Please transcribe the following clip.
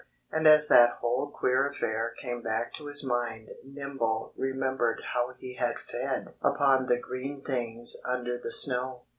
And as that whole queer affair came back to his mind Nimble remembered how he had fed upon the green things under the snow.